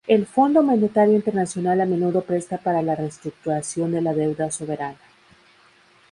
El Fondo Monetario Internacional a menudo presta para la reestructuración de la deuda soberana.